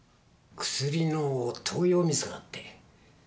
薬の投与ミスがあって。